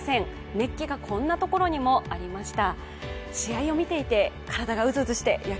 熱気がこんなところにもありました。